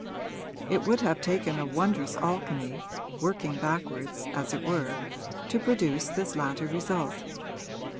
It would have taken a wondrous alchemy working backwards, as it were to produce this latter result.